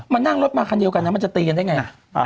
นั่งรถมาคันเดียวกันนะมันจะตีกันได้ไง